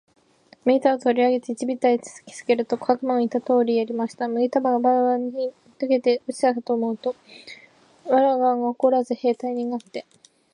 麦束を取り上げて地べたへ叩きつけると、小悪魔の言った通りやりました。麦束がバラバラに解けて落ちたかと思うと、藁がのこらず兵隊になって、